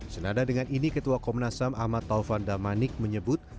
senada dengan ini ketua komnasam ahmad taufan damanik menyebut